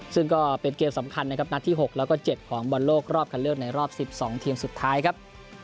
ซึ่งก็เป็นเกมสำคัญนะครับนัดที่๖แล้วก็๗ของบอลโลกรอบคันเลือกในรอบ๑๒ทีมสุดท้ายครับ